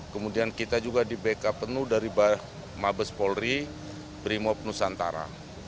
kemudian kita juga di backup penuh dari mabes polri brimob nusantara